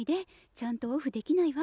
ちゃんとオフできないわ。